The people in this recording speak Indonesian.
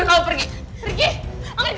biar kamu pergi pergi